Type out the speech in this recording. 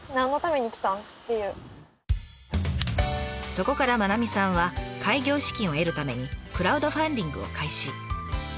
そこから真七水さんは開業資金を得るためにクラウドファンディングを開始。